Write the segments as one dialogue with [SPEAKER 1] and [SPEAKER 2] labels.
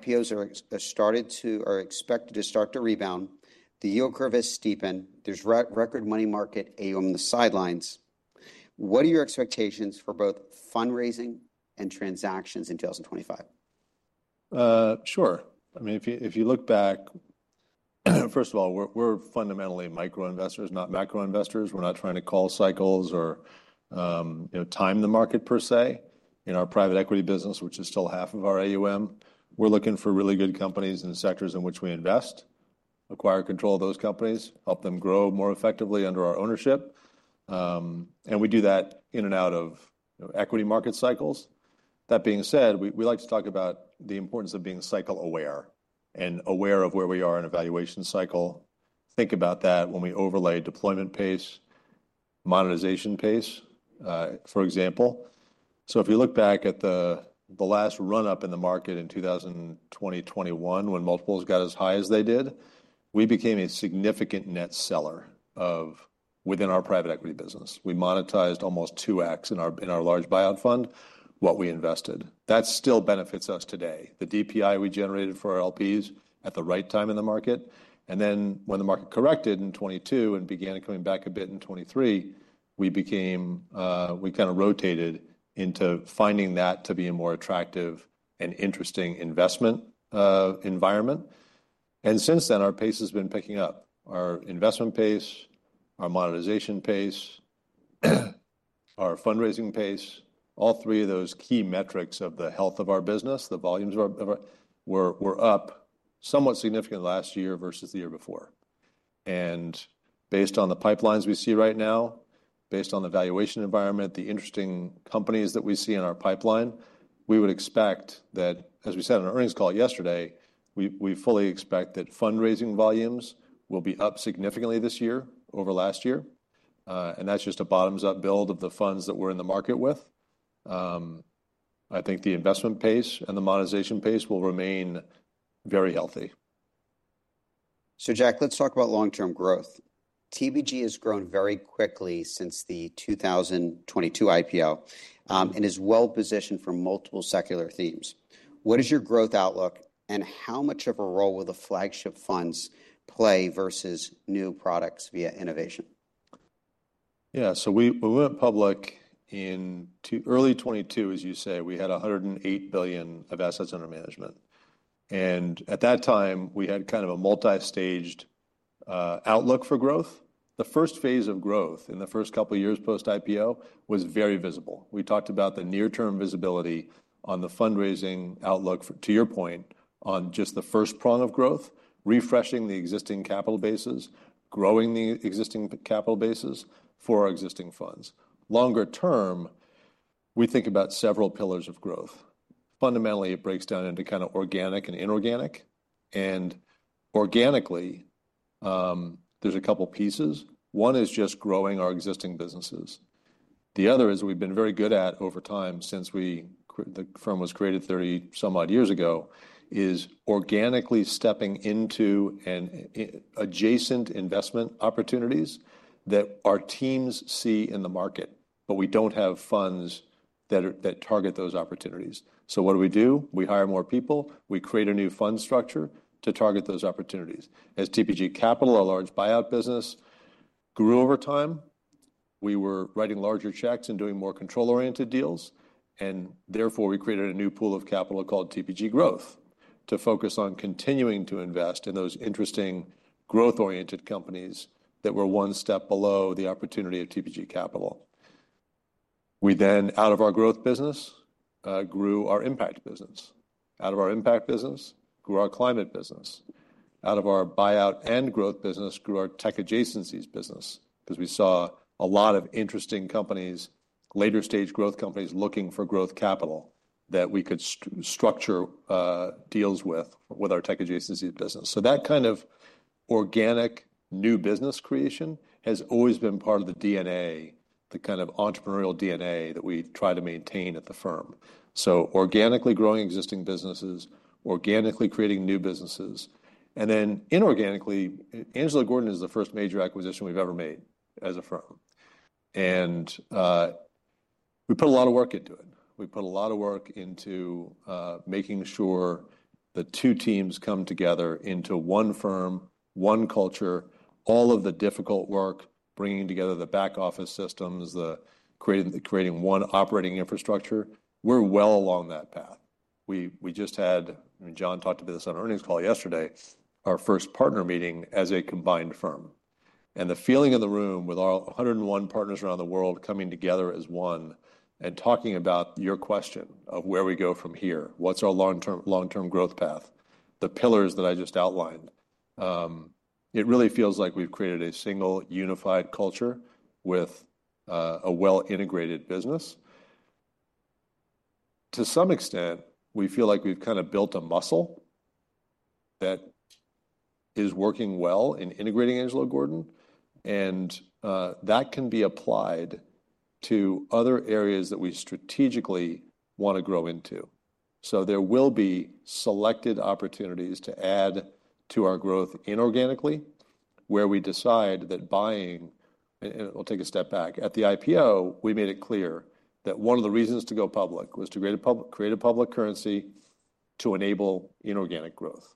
[SPEAKER 1] IPOs are expected to start to rebound. The yield curve has steepened. There's record money market AUM on the sidelines. What are your expectations for both fundraising and transactions in 2025?
[SPEAKER 2] Sure. I mean, if you-if you look back, first of all, we're-we're fundamentally micro investors, not macro investors. We're not trying to call cycles or, you know, time the market per se. In our private equity business, which is still half of our AUM, we're looking for really good companies in the sectors in which we invest, acquire control of those companies, help them grow more effectively under our ownership, and we do that in and out of, you know, equity market cycles. That being said, we-we like to talk about the importance of being cycle aware and aware of where we are in a valuation cycle. Think about that when we overlay deployment pace, monetization pace, for example. So if you look back at the last run-up in the market in 2020, 2021, when multiples got as high as they did, we became a significant net seller within our private equity business. We monetized almost 2x in our large buyout fund, what we invested. That still benefits us today. The DPI we generated for our LPs at the right time in the market. And then when the market corrected in 2022 and began coming back a bit in 2023, we became. We kind of rotated into finding that to be a more attractive and interesting investment environment. And since then, our pace has been picking up. Our investment pace, our monetization pace, our fundraising pace, all three of those key metrics of the health of our business, the volumes of our were up somewhat significant last year versus the year before. Based on the pipelines we see right now, based on the valuation environment, the interesting companies that we see in our pipeline, we would expect that, as we said on our earnings call yesterday, we fully expect that fundraising volumes will be up significantly this year over last year. That's just a bottom-up build of the funds that we're in the market with. I think the investment pace and the monetization pace will remain very healthy.
[SPEAKER 1] So, Jack, let's talk about long-term growth. TPG has grown very quickly since the 2022 IPO, and is well-positioned for multiple secular themes. What is your growth outlook, and how much of a role will the flagship funds play versus new products via innovation?
[SPEAKER 2] Yeah, so we went public in early 2022, as you say. We had $108 billion of assets under management, and at that time, we had kind of a multi-staged outlook for growth. The first phase of growth in the first couple of years post-IPO was very visible. We talked about the near-term visibility on the fundraising outlook for, to your point, on just the first prong of growth, refreshing the existing capital bases, growing the existing capital bases for our existing funds. Longer term, we think about several pillars of growth. Fundamentally, it breaks down into kind of organic and inorganic, and organically, there's a couple pieces. One is just growing our existing businesses. The other is we've been very good at over time since the firm was created 30-some-odd years ago is organically stepping into adjacent investment opportunities that our teams see in the market, but we don't have funds that are that target those opportunities. So, what do we do? We hire more people. We create a new fund structure to target those opportunities. As TPG Capital, a large buyout business, grew over time, we were writing larger checks and doing more control-oriented deals. And therefore, we created a new pool of capital called TPG Growth to focus on continuing to invest in those interesting growth-oriented companies that were one step below the opportunity of TPG Capital. We then, out of our Growth business, grew our Impact business. Out of our Impact business, grew our Climate business. Out of our buyout and Growth business, grew our Tech Adjacencies business because we saw a lot of interesting companies, later-stage growth companies looking for growth capital that we could structure deals with our Tech Adjacencies business. So that kind of organic new business creation has always been part of the DNA, the kind of entrepreneurial DNA that we try to maintain at the firm. So organically growing existing businesses, organically creating new businesses. And then inorganically, Angelo Gordon is the first major acquisition we've ever made as a firm. And we put a lot of work into it. We put a lot of work into making sure the two teams come together into one firm, one culture, all of the difficult work, bringing together the back-office systems, the creating one operating infrastructure. We're well along that path. We just had. I mean, Jon talked about this on our earnings call yesterday, our first partner meeting as a combined firm, and the feeling in the room with our 101 partners around the world coming together as one and talking about your question of where we go from here, what's our long-term growth path, the pillars that I just outlined. It really feels like we've created a single unified culture with a well-integrated business. To some extent, we feel like we've kind of built a muscle that is working well in integrating Angelo Gordon, and that can be applied to other areas that we strategically want to grow into. So there will be selected opportunities to add to our growth inorganically where we decide that buying, and we'll take a step back. At the IPO, we made it clear that one of the reasons to go public was to create a public currency to enable inorganic growth,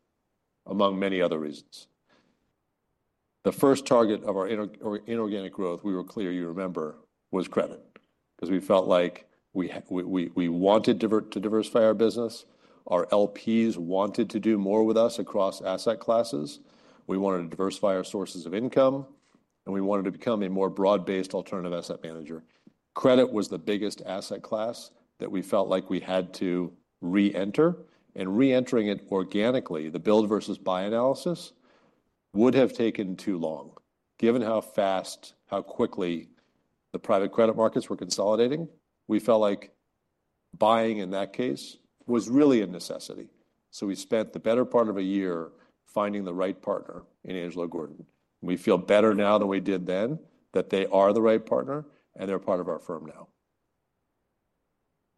[SPEAKER 2] among many other reasons. The first target of our inorganic growth, we were clear, you remember, was credit because we felt like we wanted to diversify our business. Our LPs wanted to do more with us across asset classes. We wanted to diversify our sources of income, and we wanted to become a more broad-based alternative asset manager. Credit was the biggest asset class that we felt like we had to reenter. Reentering it organically, the build versus buy analysis, would have taken too long. Given how fast, how quickly the private credit markets were consolidating, we felt like buying in that case was really a necessity. We spent the better part of a year finding the right partner in Angelo Gordon. We feel better now than we did then, that they are the right partner and they're part of our firm now.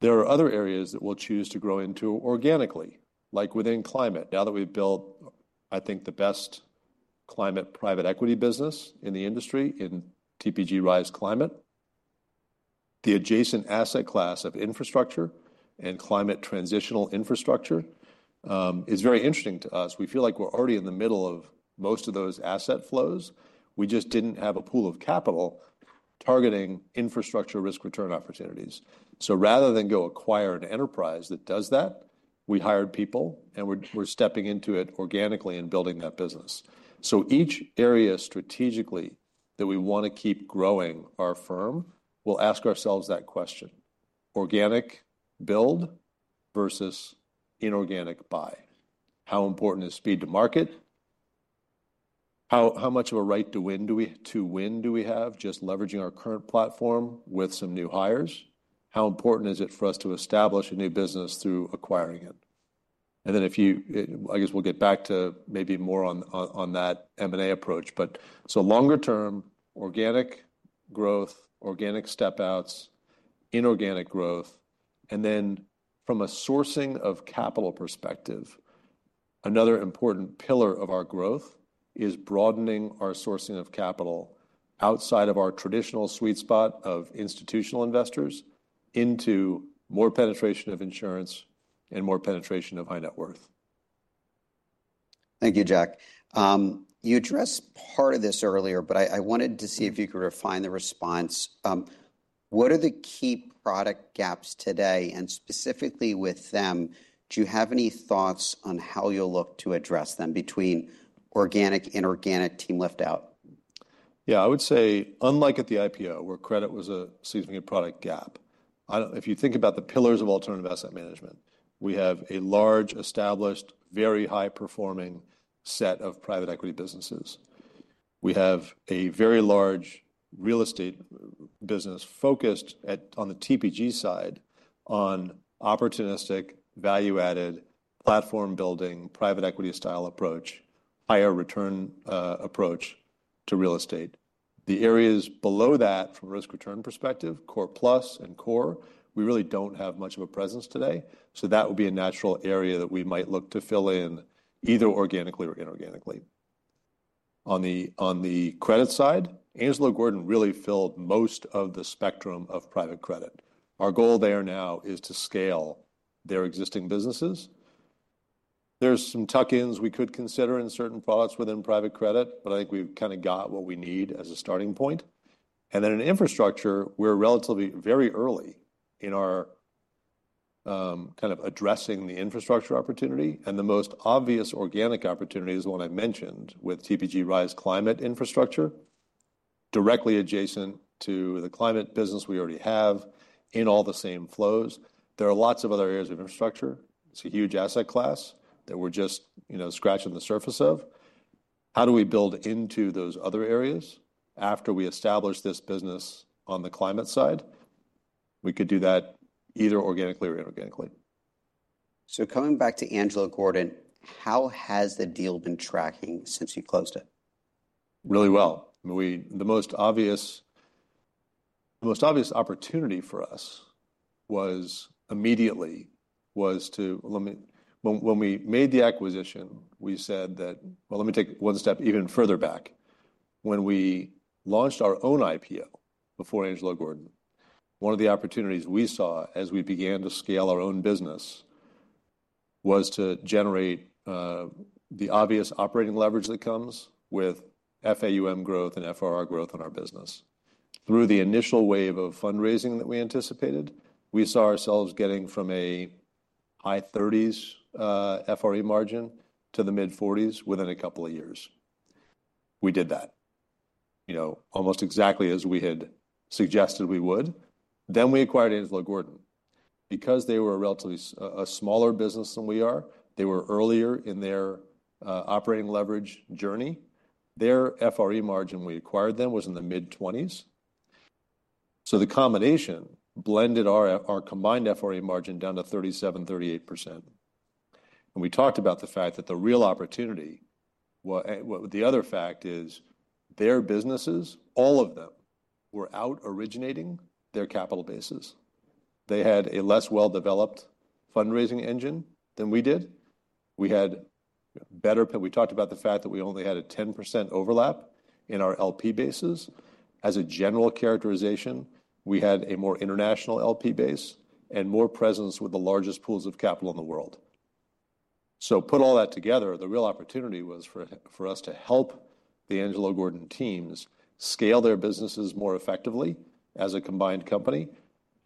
[SPEAKER 2] There are other areas that we'll choose to grow into organically, like within climate. Now that we've built, I think, the best climate private equity business in the industry in TPG Rise Climate, the adjacent asset class of infrastructure and climate transitional infrastructure is very interesting to us. We feel like we're already in the middle of most of those asset flows. We just didn't have a pool of capital targeting infrastructure risk-return opportunities. Rather than go acquire an enterprise that does that, we hired people and we're stepping into it organically and building that business. So each area strategically that we want to keep growing our firm, we'll ask ourselves that question: organic build versus inorganic buy. How important is speed to market? How much of a right to win do we have just leveraging our current platform with some new hires? How important is it for us to establish a new business through acquiring it? And then, I guess we'll get back to maybe more on that M&A approach. But so longer term, organic growth, organic step-outs, inorganic growth. And then from a sourcing of capital perspective, another important pillar of our growth is broadening our sourcing of capital outside of our traditional sweet spot of institutional investors into more penetration of insurance and more penetration of high-net-worth.
[SPEAKER 1] Thank you, Jack. You addressed part of this earlier, but I wanted to see if you could refine the response. What are the key product gaps today, and specifically with them, do you have any thoughts on how you'll look to address them between organic, inorganic, team lift-out?
[SPEAKER 2] Yeah, I would say, unlike at the IPO, where credit was a significant product gap, I don't—if you think about the pillars of alternative asset management, we have a large, established, very high-performing set of private equity businesses. We have a very large real estate business focused on the TPG side on opportunistic, value-added, platform-building, private equity style approach, higher return approach to real estate. The areas below that, from a risk-return perspective, core plus and core, we really don't have much of a presence today. So that would be a natural area that we might look to fill in either organically or inorganically. On the credit side, Angelo Gordon really filled most of the spectrum of private credit. Our goal there now is to scale their existing businesses. There's some tuck-ins we could consider in certain products within private credit, but I think we've kind of got what we need as a starting point. And then in infrastructure, we're relatively very early in our, kind of addressing the infrastructure opportunity. And the most obvious organic opportunity is the one I mentioned with TPG Rise Climate infrastructure, directly adjacent to the Climate business we already have in all the same flows. There are lots of other areas of infrastructure. It's a huge asset class that we're just, you know, scratching the surface of. How do we build into those other areas after we establish this business on the climate side? We could do that either organically or inorganically.
[SPEAKER 1] So coming back to Angelo Gordon, how has the deal been tracking since you closed it?
[SPEAKER 2] Really well. I mean, we, the most obvious opportunity for us was immediately to, when we made the acquisition, we said that, well, let me take one step even further back. When we launched our own IPO before Angelo Gordon, one of the opportunities we saw as we began to scale our own business was to generate the obvious operating leverage that comes with FAUM growth and FRR growth in our business. Through the initial wave of fundraising that we anticipated, we saw ourselves getting from a high-30s FRE margin to the mid-40s within a couple of years. We did that, you know, almost exactly as we had suggested we would. Then we acquired Angelo Gordon. Because they were a relatively smaller business than we are, they were earlier in their operating leverage journey. Their FRE margin we acquired them was in the mid-20s. So the combination blended our combined FRE margin down to 37%-38%. And we talked about the fact that the real opportunity was, the other fact is their businesses, all of them, were out originating their capital bases. They had a less well-developed fundraising engine than we did. We had better, we talked about the fact that we only had a 10% overlap in our LP bases. As a general characterization, we had a more international LP base and more presence with the largest pools of capital in the world. So put all that together, the real opportunity was for us to help the Angelo Gordon teams scale their businesses more effectively as a combined company,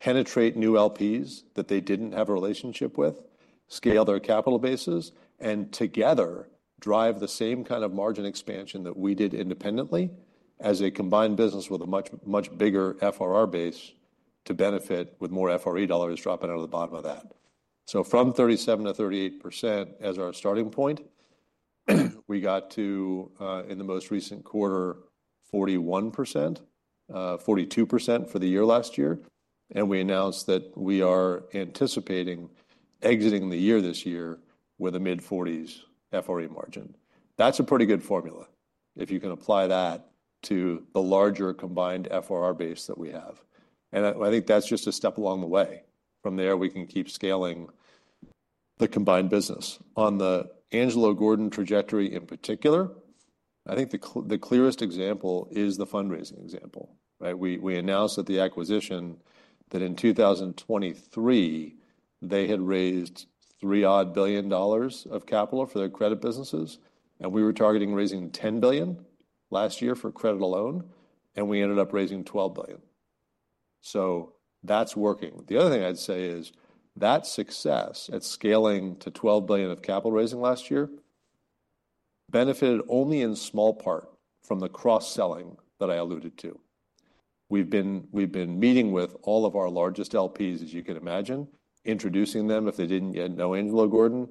[SPEAKER 2] penetrate new LPs that they didn't have a relationship with, scale their capital bases, and together drive the same kind of margin expansion that we did independently as a combined business with a much, much bigger FRR base to benefit with more FRE dollars dropping out of the bottom of that. So from 37%-38% as our starting point, we got to, in the most recent quarter, 41%, 42% for the year last year. And we announced that we are anticipating exiting the year this year with a mid-40s FRE margin. That's a pretty good formula if you can apply that to the larger combined FRR base that we have. And I think that's just a step along the way. From there, we can keep scaling the combined business. On the Angelo Gordon trajectory in particular, I think the clearest example is the fundraising example, right? We announced at the acquisition that in 2023, they had raised $3 billion of capital for their credit businesses. And we were targeting raising $10 billion last year for credit alone. And we ended up raising $12 billion. So that's working. The other thing I'd say is that success at scaling to $12 billion of capital raising last year benefited only in small part from the cross-selling that I alluded to. We've been meeting with all of our largest LPs, as you can imagine, introducing them, if they didn't yet know Angelo Gordon,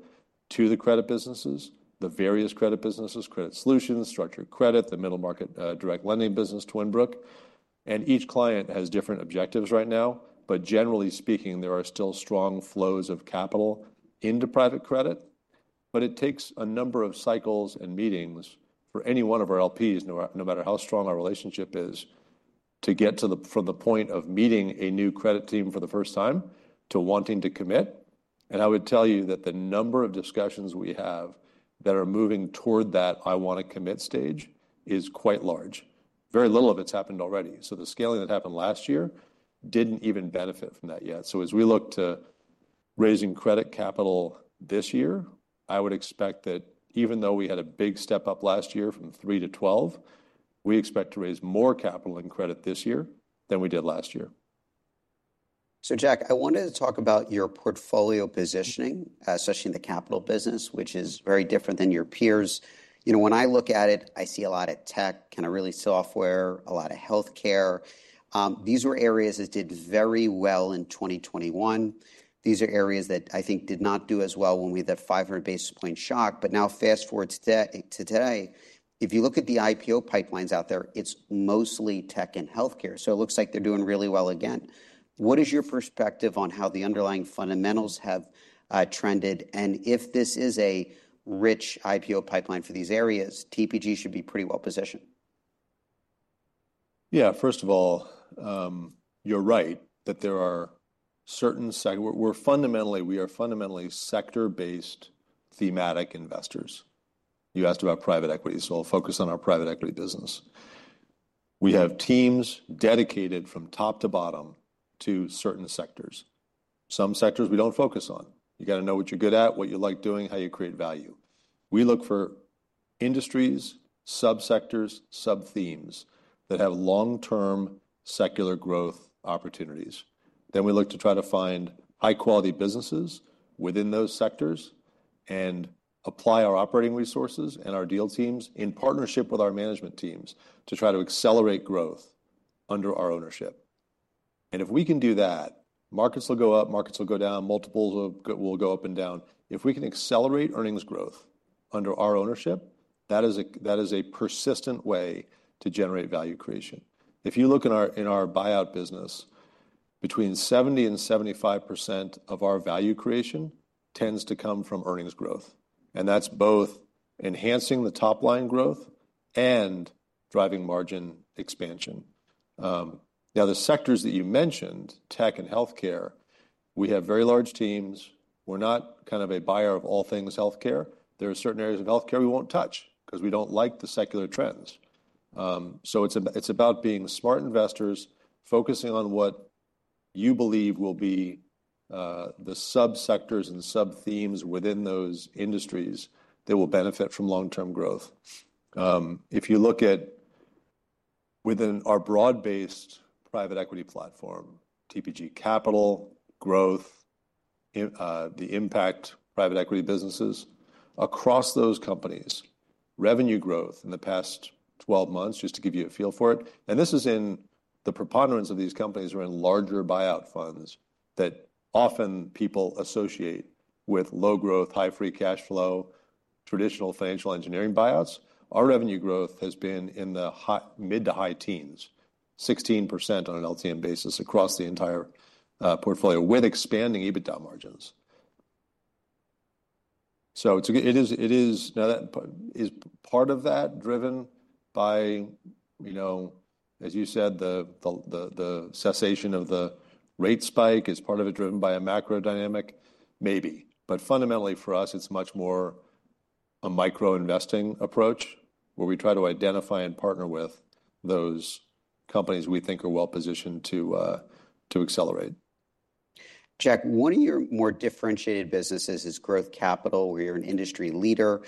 [SPEAKER 2] to the credit businesses, the various credit businesses, Credit Solutions, Structured Credit, the Middle Market Direct Lending business, Twin Brook. And each client has different objectives right now. Generally speaking, there are still strong flows of capital into private credit. It takes a number of cycles and meetings for any one of our LPs, no matter how strong our relationship is, to get from the point of meeting a new credit team for the first time to wanting to commit. I would tell you that the number of discussions we have that are moving toward that "I want to commit" stage is quite large. Very little of it's happened already. The scaling that happened last year didn't even benefit from that yet. As we look to raising credit capital this year, I would expect that even though we had a big step-up last year from three to 12, we expect to raise more capital and credit this year than we did last year.
[SPEAKER 1] So Jack, I wanted to talk about your portfolio positioning, especially in the Capital business, which is very different than your peers. You know, when I look at it, I see a lot of tech, kind of really software, a lot of healthcare. These were areas that did very well in 2021. These are areas that I think did not do as well when we had that 500 basis points shock. But now, fast forward to today, if you look at the IPO pipelines out there, it's mostly tech and healthcare. So it looks like they're doing really well again. What is your perspective on how the underlying fundamentals have trended? And if this is a rich IPO pipeline for these areas, TPG should be pretty well positioned.
[SPEAKER 2] Yeah, first of all, you're right that there are certain—we are fundamentally sector-based thematic investors. You asked about private equity, so we'll focus on our private equity business. We have teams dedicated from top to bottom to certain sectors. Some sectors we don't focus on. You got to know what you're good at, what you like doing, how you create value. We look for industries, subsectors, sub-themes that have long-term secular growth opportunities. Then we look to try to find high-quality businesses within those sectors and apply our operating resources and our deal teams in partnership with our management teams to try to accelerate growth under our ownership. If we can do that, markets will go up, markets will go down, multiples will go up and down. If we can accelerate earnings growth under our ownership, that is a persistent way to generate value creation. If you look in our buyout business, between 70% and 75% of our value creation tends to come from earnings growth, and that's both enhancing the top line growth and driving margin expansion. Now the sectors that you mentioned, tech and healthcare, we have very large teams. We're not kind of a buyer of all things healthcare. There are certain areas of healthcare we won't touch because we don't like the secular trends, so it's about being smart investors, focusing on what you believe will be, the sub-sectors and sub-themes within those industries that will benefit from long-term growth. If you look at within our broad-based private equity platform, TPG Capital, Growth, the Impact private equity businesses across those companies, revenue growth in the past 12 months, just to give you a feel for it. This is in the preponderance of these companies are in larger buyout funds that often people associate with low growth, high free cash flow, traditional financial engineering buyouts. Our revenue growth has been in the mid to high teens, 16% on an LTM basis across the entire portfolio with expanding EBITDA margins. It's now that is part of that driven by, you know, as you said, the cessation of the rate spike is part of it driven by a macro dynamic, maybe. Fundamentally for us, it's much more a micro investing approach where we try to identify and partner with those companies we think are well positioned to accelerate.
[SPEAKER 1] Jack, one of your more differentiated businesses is Growth Capital, where you're an industry leader.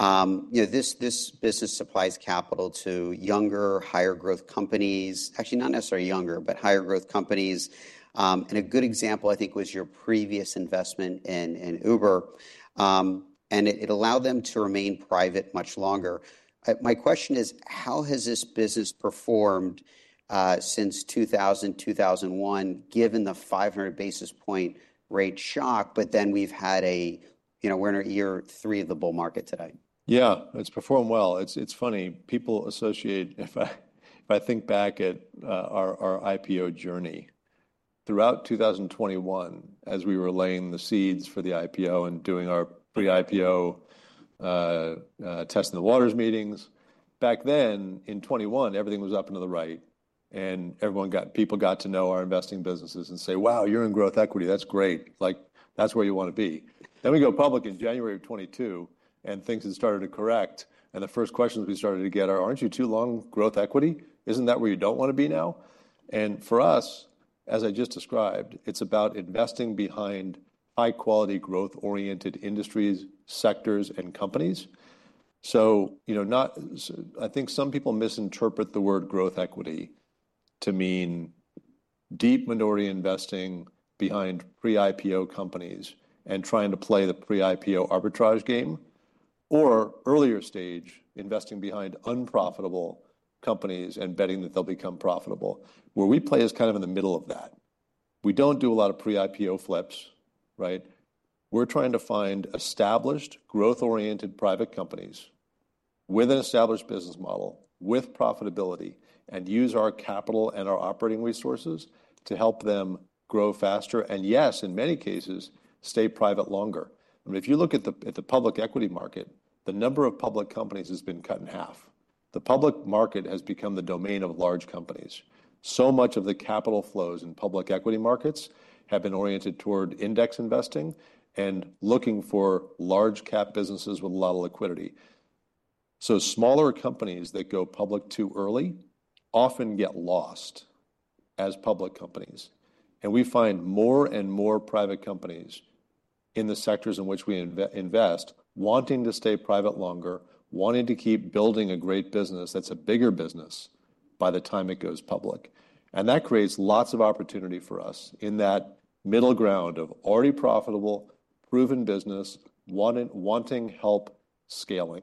[SPEAKER 1] You know, this business supplies capital to younger, higher growth companies, actually not necessarily younger, but higher growth companies, and a good example, I think, was your previous investment in Uber, and it allowed them to remain private much longer. My question is, how has this business performed since 2000, 2001, given the 500 basis points rate shock, but then we've had, you know, we're in year three of the bull market today.
[SPEAKER 2] Yeah, it's performed well. It's funny. People associate, if I think back at our IPO journey throughout 2021, as we were laying the seeds for the IPO and doing our pre-IPO testing-the-waters meetings, back then in 2021, everything was up and to the right, and people got to know our investing businesses and say, "Wow, you're in growth equity. That's great. Like, that's where you want to be," then we go public in January of 2022, and things had started to correct, and the first questions we started to get are, "Aren't you too long growth equity? Isn't that where you don't want to be now," and for us, as I just described, it's about investing behind high-quality growth-oriented industries, sectors, and companies. So, you know, not, I think some people misinterpret the word growth equity to mean deep minority investing behind pre-IPO companies and trying to play the pre-IPO arbitrage game, or earlier stage investing behind unprofitable companies and betting that they'll become profitable. Where we play is kind of in the middle of that. We don't do a lot of pre-IPO flips, right? We're trying to find established growth-oriented private companies with an established business model, with profitability, and use our capital and our operating resources to help them grow faster and, yes, in many cases, stay private longer. I mean, if you look at the public equity market, the number of public companies has been cut in half. The public market has become the domain of large companies. So much of the capital flows in public equity markets have been oriented toward index investing and looking for large-cap businesses with a lot of liquidity. So smaller companies that go public too early often get lost as public companies. And we find more and more private companies in the sectors in which we invest wanting to stay private longer, wanting to keep building a great business that's a bigger business by the time it goes public. And that creates lots of opportunity for us in that middle ground of already profitable, proven business, wanting help scaling.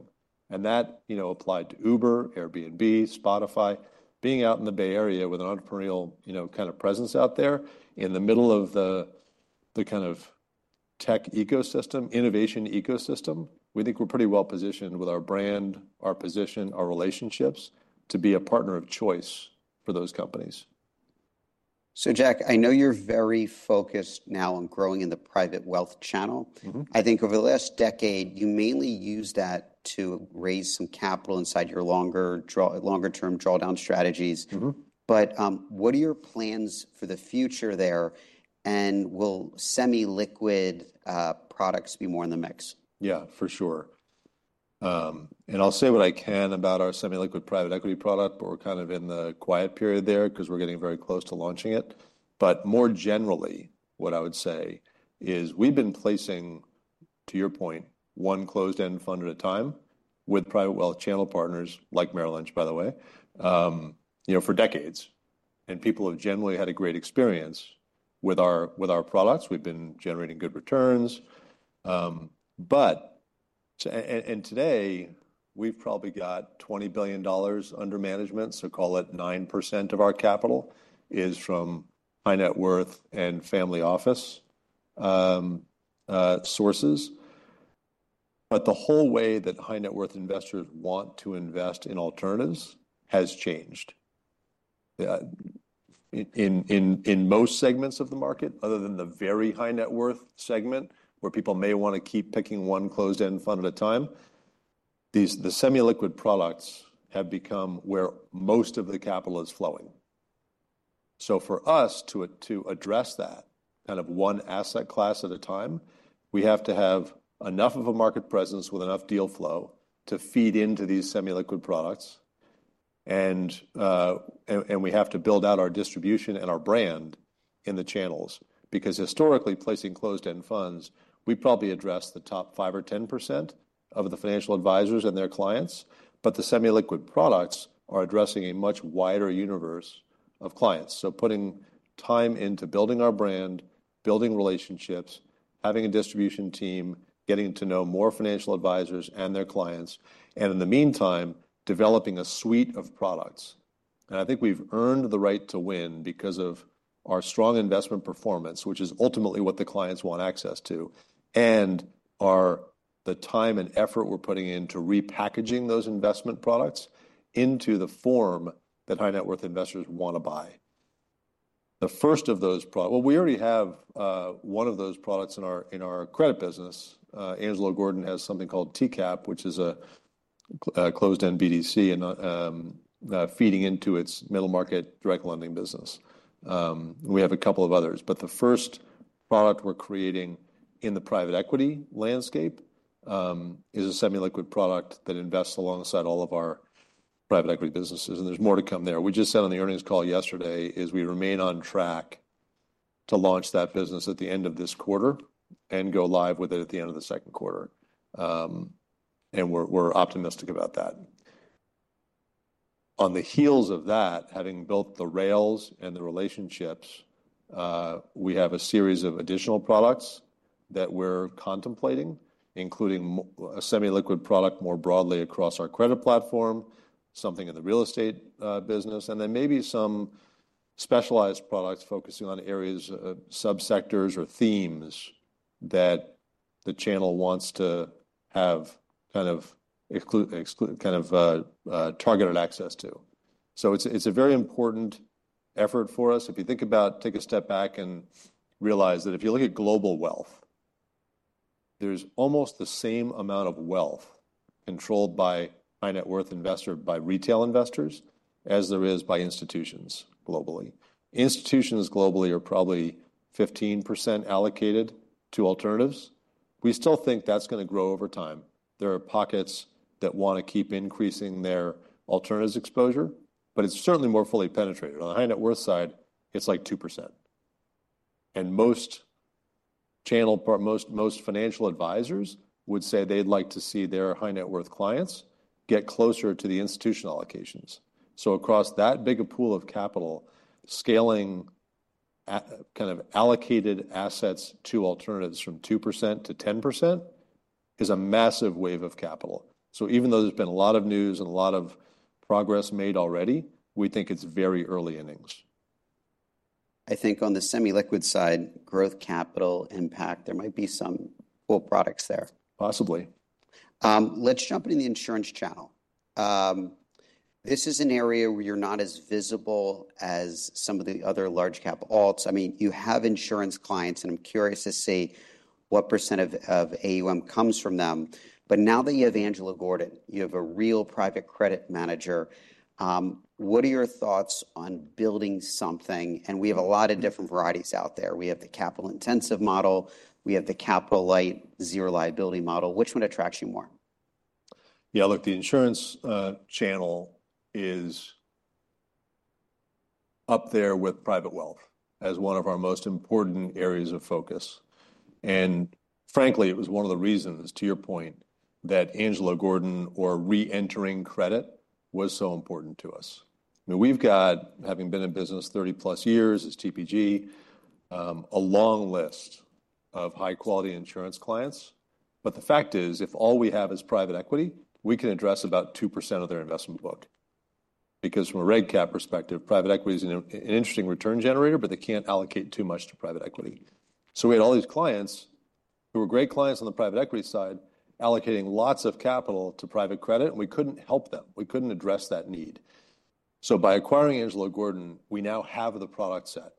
[SPEAKER 2] That, you know, applied to Uber, Airbnb, Spotify, being out in the Bay Area with an entrepreneurial, you know, kind of presence out there in the middle of the kind of tech ecosystem, innovation ecosystem. We think we're pretty well positioned with our brand, our position, our relationships to be a partner of choice for those companies.
[SPEAKER 1] So Jack, I know you're very focused now on growing in the private wealth channel. I think over the last decade, you mainly use that to raise some capital inside your longer term drawdown strategies. But what are your plans for the future there? And will semi-liquid products be more in the mix?
[SPEAKER 2] Yeah, for sure. And I'll say what I can about our semi-liquid private equity product, but we're kind of in the quiet period there because we're getting very close to launching it. But more generally, what I would say is we've been placing, to your point, one closed-end fund at a time with private wealth channel partners like Merrill Lynch, by the way, you know, for decades. And people have generally had a great experience with our products. We've been generating good returns, but today, we've probably got $20 billion under management, so call it 9% of our capital is from high-net-worth and family office sources, but the whole way that high-net-worth investors want to invest in alternatives has changed. In most segments of the market, other than the very high-net-worth segment, where people may want to keep picking one closed-end fund at a time, these semi-liquid products have become where most of the capital is flowing. So, for us to address that kind of one asset class at a time, we have to have enough of a market presence with enough deal flow to feed into these semi-liquid products. And we have to build out our distribution and our brand in the channels because historically, placing closed-end funds, we probably address the top five or 10% of the financial advisors and their clients. But the semi-liquid products are addressing a much wider universe of clients. So putting time into building our brand, building relationships, having a distribution team, getting to know more financial advisors and their clients, and in the meantime, developing a suite of products. I think we've earned the right to win because of our strong investment performance, which is ultimately what the clients want access to, and the time and effort we're putting into repackaging those investment products into the form that high-net-worth investors want to buy. The first of those products, well, we already have one of those products in our credit business. Angelo Gordon has something called TCAP, which is a closed-end BDC feeding into its Middle Market Direct Lending business. We have a couple of others. But the first product we're creating in the private equity landscape is a semi-liquid product that invests alongside all of our private equity businesses. There's more to come there. We just said on the earnings call yesterday is we remain on track to launch that business at the end of this quarter and go live with it at the end of the second quarter, and we're optimistic about that. On the heels of that, having built the rails and the relationships, we have a series of additional products that we're contemplating, including a semi-liquid product more broadly across our credit platform, something in the real estate, business, and then maybe some specialized products focusing on areas, sub-sectors or themes that the channel wants to have kind of exclusive kind of targeted access to. So it's a very important effort for us. If you take a step back and realize that if you look at global wealth, there's almost the same amount of wealth controlled by high-net-worth investors, by retail investors, as there is by institutions globally. Institutions globally are probably 15% allocated to alternatives. We still think that's going to grow over time. There are pockets that want to keep increasing their alternatives exposure, but it's certainly more fully penetrated. On the high-net-worth side, it's like 2%, and most channel partners, most financial advisors would say they'd like to see their high-net-worth clients get closer to the institutional allocations. So, across that big pool of capital, scaling kind of allocated assets to alternatives from 2%-10% is a massive wave of capital, so even though there's been a lot of news and a lot of progress made already, we think it's very early innings.
[SPEAKER 1] I think on the semi-liquid side, growth capital impact, there might be some full products there.
[SPEAKER 2] Possibly.
[SPEAKER 1] Let's jump into the insurance channel. This is an area where you're not as visible as some of the other large-cap alts. I mean, you have insurance clients, and I'm curious to see what percent of AUM comes from them. But now that you have Angelo Gordon, you have a real private credit manager, what are your thoughts on building something? And we have a lot of different varieties out there. We have the capital-intensive model. We have the capital light, zero liability model. Which one attracts you more?
[SPEAKER 2] Yeah, look, the insurance channel is up there with private wealth as one of our most important areas of focus. And frankly, it was one of the reasons, to your point, that Angelo Gordon and re-entering credit was so important to us. I mean, we've got having been in business 30-plus years as TPG, a long list of high-quality insurance clients. But the fact is, if all we have is private equity, we can address about 2% of their investment book. Because from a Reg Cap perspective, private equity is an interesting return generator, but they can't allocate too much to private equity. So, we had all these clients who were great clients on the private equity side, allocating lots of capital to private credit, and we couldn't help them. We couldn't address that need. So, by acquiring Angelo Gordon, we now have the product set,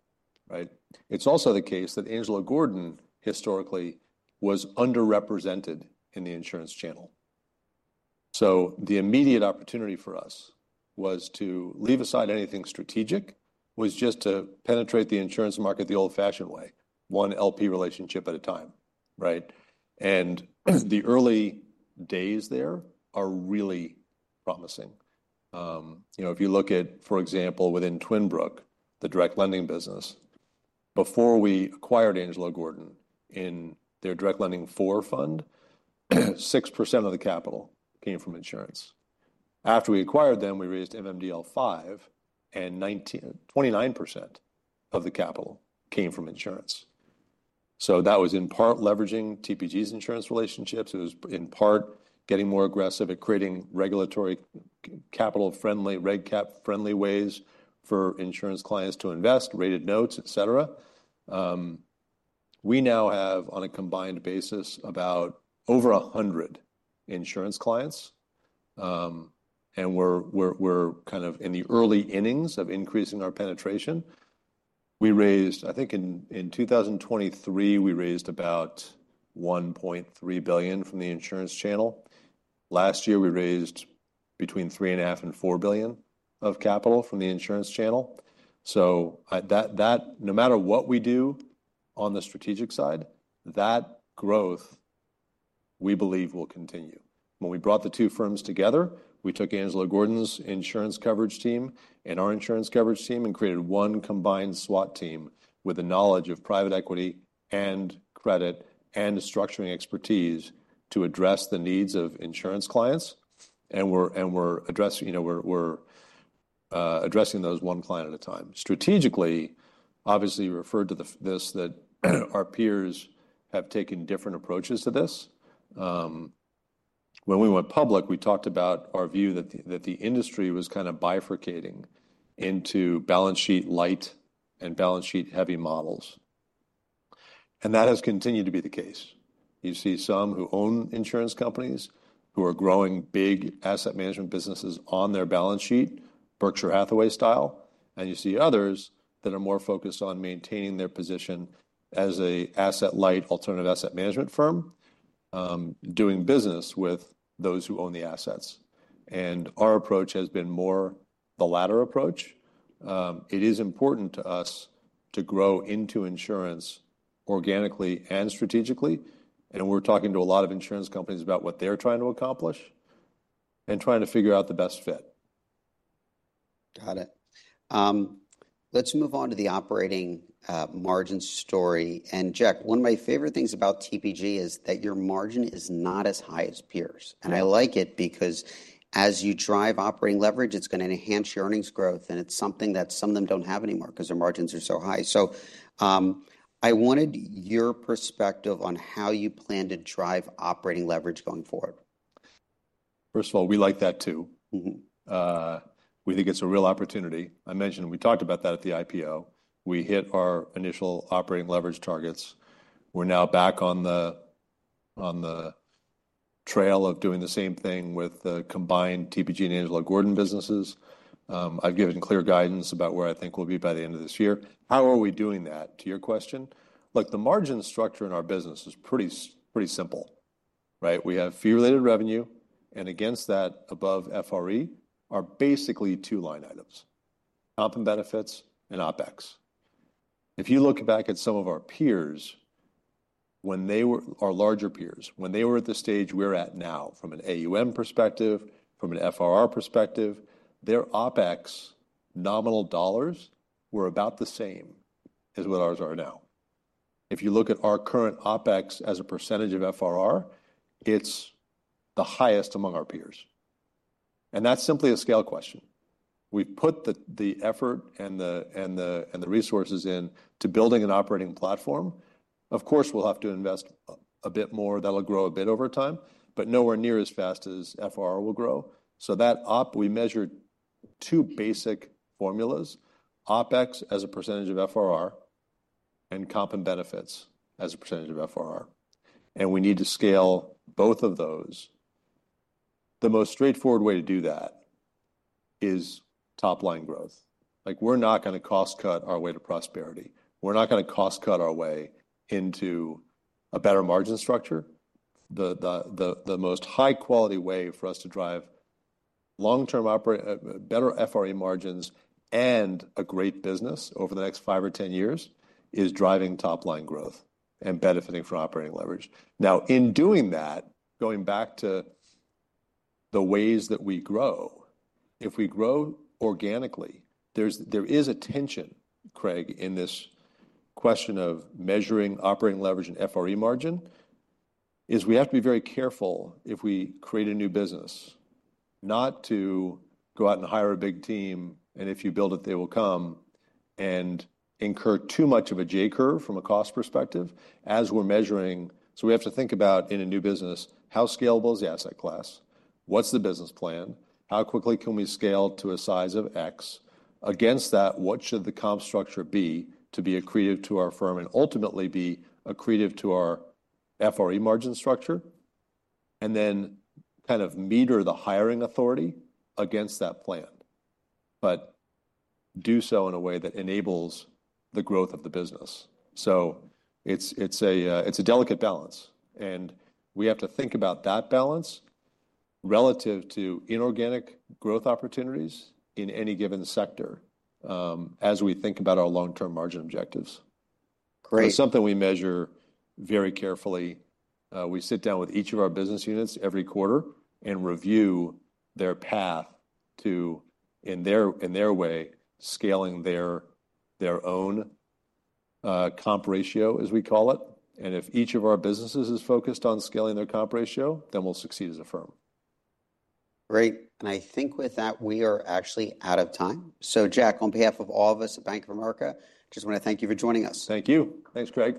[SPEAKER 2] right? It's also the case that Angelo Gordon historically was underrepresented in the insurance channel, so the immediate opportunity for us was to leave aside anything strategic, was just to penetrate the insurance market the old-fashioned way, one LP relationship at a time, right, and the early days there are really promising, you know, if you look at, for example, within Twin Brook, the direct lending business, before we acquired Angelo Gordon in their Direct Lending Fund IV, 6% of the capital came from insurance. After we acquired them, we raised MMDL V and 29% of the capital came from insurance. So that was in part leveraging TPGs insurance relationships. It was in part getting more aggressive at creating regulatory capital-friendly, Reg Cap-friendly ways for insurance clients to invest, rated notes, etc. We now have on a combined basis about over 100 insurance clients. And we're kind of in the early innings of increasing our penetration. We raised, I think in 2023, about $1.3 billion from the insurance channel. Last year, we raised between $3.5 and $4 billion of capital from the insurance channel. So that no matter what we do on the strategic side, that growth we believe will continue. When we brought the two firms together, we took Angelo Gordon's insurance coverage team and our insurance coverage team and created one combined SWAT team with the knowledge of private equity and credit and structuring expertise to address the needs of insurance clients. And we're addressing, you know, those one client at a time. Strategically, obviously referred to this that our peers have taken different approaches to this. When we went public, we talked about our view that the industry was kind of bifurcating into balance sheet light and balance sheet heavy models. And that has continued to be the case. You see some who own insurance companies who are growing big asset management businesses on their balance sheet, Berkshire Hathaway style, and you see others that are more focused on maintaining their position as an asset-light alternative asset management firm, doing business with those who own the assets. And our approach has been more the latter approach. It is important to us to grow into insurance organically and strategically. And we're talking to a lot of insurance companies about what they're trying to accomplish and trying to figure out the best fit.
[SPEAKER 1] Got it. Let's move on to the operating margin story, and Jack, one of my favorite things about TPG is that your margin is not as high as peers, and I like it because as you drive operating leverage, it's going to enhance your earnings growth, and it's something that some of them don't have anymore because their margins are so high, so I wanted your perspective on how you plan to drive operating leverage going forward.
[SPEAKER 2] First of all, we like that too. We think it's a real opportunity. I mentioned we talked about that at the IPO. We hit our initial operating leverage targets. We're now back on the, on the trail of doing the same thing with the combined TPG and Angelo Gordon businesses. I've given clear guidance about where I think we'll be by the end of this year. How are we doing that? To your question, look, the margin structure in our business is pretty, pretty simple, right? We have fee-related revenue, and against that above FRE are basically two line items: comp and benefits and OpEx. If you look back at some of our peers, when they were our larger peers, when they were at the stage we're at now, from an AUM perspective, from an FRR perspective, their OpEx nominal dollars were about the same as what ours are now. If you look at our current OpEx as a percentage of FRR, it's the highest among our peers, and that's simply a scale question. We've put the effort and the resources into building an operating platform. Of course, we'll have to invest a bit more. That'll grow a bit over time, but nowhere near as fast as FRR will grow, so that, we measured two basic formulas: OpEx as a percentage of FRR and comp and benefits as a percentage of FRR, and we need to scale both of those. The most straightforward way to do that is top-line growth. Like, we're not going to cost-cut our way to prosperity. We're not going to cost-cut our way into a better margin structure. The most high-quality way for us to drive long-term operating, better FRE margins and a great business over the next five or ten years is driving top-line growth and benefiting from operating leverage. Now, in doing that, going back to the ways that we grow, if we grow organically, there is a tension, Craig, in this question of measuring operating leverage and FRE margin, is we have to be very careful if we create a new business, not to go out and hire a big team, and if you build it, they will come and incur too much of a J-curve from a cost perspective as we're measuring. So, we have to think about in a new business, how scalable is the asset class? What's the business plan? How quickly can we scale to a size of X? Against that, what should the comp structure be to be accretive to our firm and ultimately be accretive to our FRE margin structure? And then kind of meter the hiring authority against that plan, but do so in a way that enables the growth of the business. So it's a delicate balance. And we have to think about that balance relative to inorganic growth opportunities in any given sector, as we think about our long-term margin objectives.
[SPEAKER 1] Great.
[SPEAKER 2] It's something we measure very carefully. We sit down with each of our business units every quarter and review their path to, in their way, scaling their own comp ratio, as we call it. And if each of our businesses is focused on scaling their comp ratio, then we'll succeed as a firm.
[SPEAKER 1] Great, and I think with that, we are actually out of time, so Jack, on behalf of all of us at Bank of America, just want to thank you for joining us.
[SPEAKER 2] Thank you. Thanks, Craig.